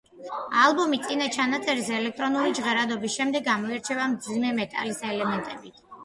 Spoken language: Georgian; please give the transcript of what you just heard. ალბომი წინა ჩანაწერის ელექტრონული ჟღერადობის შემდეგ გამოირჩევა მძიმე მეტალის ელემენტებით.